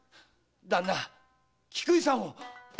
旦那菊路さんを。